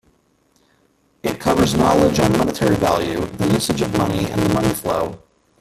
It covers knowledge on monetary value, the usage of money and the money flow.